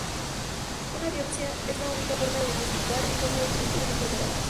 Una biopsia es la única forma de diagnosticar en forma definitiva esta enfermedad.